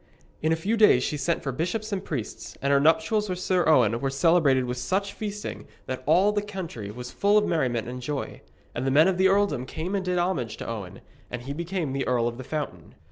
In a few days she sent for the bishops and priests, and her nuptials with Sir Owen were celebrated with such feasting that all the country was full of merriment and joy. And the men of the earldom came and did homage to Owen, and he became the Earl of the Fountain.